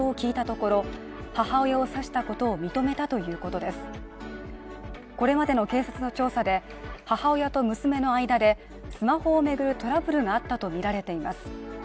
これまでの警察の調査で母親と娘の間でスマホを巡るトラブルがあったとみられています。